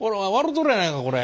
とるやないかこれ。